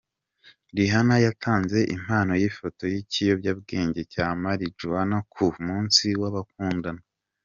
Rihana yatanze impano y’ifoto y’ikiyobyabwenge cya Marijuana ku munsi w’abakundana